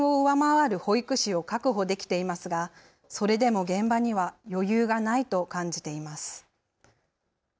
加藤さんの保育園では国の基準を上回る保育士を確保できていますがそれでも現場には余裕がないと感じています。